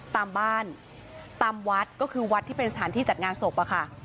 ตามบ้านตามวัดก็คือวัดที่เป็นสถานที่จัดงานศพอะค่ะ